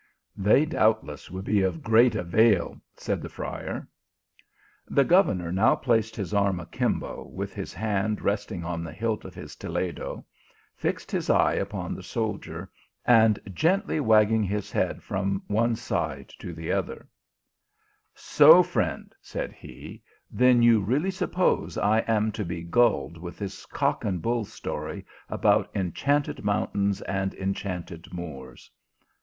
"They doubtless would be of great avail," said the friar. The governor now placed his arm a kimbo, with his hand resting on the hilt of his toledo, fixed his eye upon the soldier, and gently wagging his head from one side to the other : "So, friend," said he, "then you really suppose I am to be gulled with this cock and bull story about enchanted mountains, and enchanted Moors.